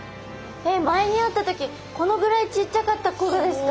前に会った時このぐらいちっちゃかった子がですか？